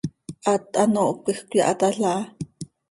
Haat hanoohcö quij cöyahatalhaa.